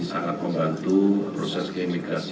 sangat membantu proses keimigrasi